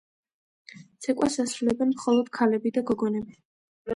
ცეკვას ასრულებენ მხოლოდ ქალები და გოგონები.